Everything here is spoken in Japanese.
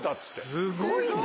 すごいな。